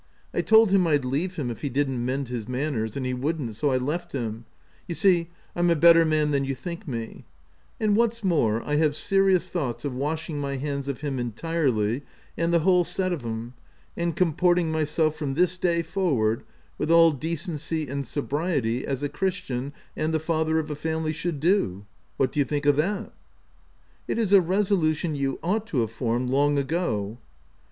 I told him I'd leave him if he didn't mend his manners — and he wouldn't ; so I left him — you see I'm a better man than you think me ;— and what's more, I have serious thoughts of washing my hands of him entirely, and the whole set of 'em, and comporting myself from this day forward, with all decency and sobriety as a christian and the father of a family should do.— What do you think of that ?"" It is a resolution you ought to have formed long ago."